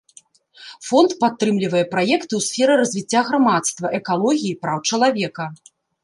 Фонд падтрымлівае праекты ў сферы развіцця грамадства, экалогіі, праў чалавека.